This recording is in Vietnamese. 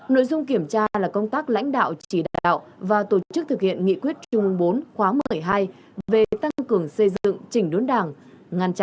nội dung kiểm tra là công tác lãnh đạo chỉ đạo và tổ chức thực hiện nghị quyết trung ương bốn khóa một mươi hai về tăng cường xây dựng chỉnh đốn đảng